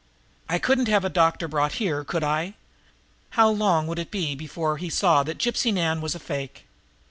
I couldn't have a doctor brought here, could I? How long would it be before he saw that Gypsy Nan was a fake?